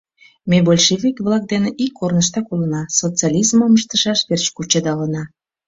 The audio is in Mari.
Ме большевик-влак дене ик корныштак улына, социализмым ыштышаш верч кучедалына.